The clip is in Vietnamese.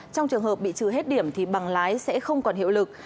trong trường hợp bị trừ hết điểm thì bằng lái sẽ không còn hiệu lực